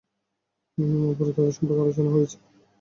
উপরে তাদের সম্পর্কে আলোচনা হয়েছে।